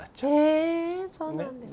へえそうなんですか。